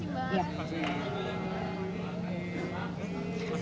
terima kasih mbak